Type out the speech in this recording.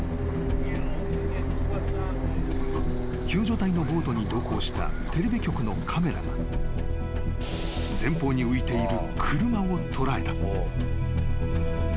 ［救助隊のボートに同行したテレビ局のカメラが前方に浮いている車を捉えた］